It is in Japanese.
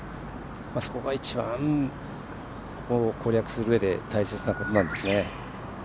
そこが一番、攻略するうえで大切なことなんですね。